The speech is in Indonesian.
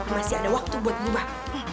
masih ada waktu buat ngubah